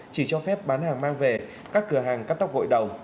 chỉ cho phép bán hàng mang về các cửa hàng cắt tóc gội đầu